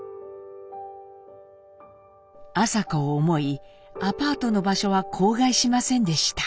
麻子を思いアパートの場所は口外しませんでした。